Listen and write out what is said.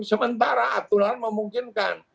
sementara aturan memungkinkan